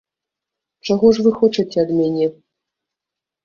Чаго ж вы хочаце ад мяне?